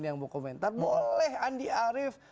yang mau komentar boleh andi arief